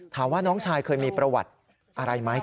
น้องชายเคยมีประวัติอะไรไหม